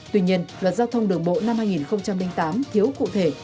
tuy nhiên luật giao thông đường bộ năm hai nghìn tám thiếu cụ thể